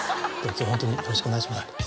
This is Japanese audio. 今日はホントによろしくお願いします。